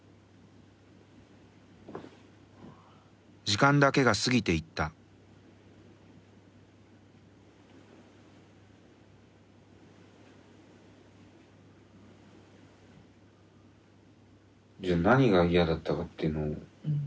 時間だけが過ぎていったじゃあ何が嫌だったかっていうのを全部言うわ。